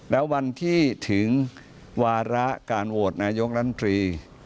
แล้ววันที่ถึงวาระการโหวตนายกรัฐมนตรี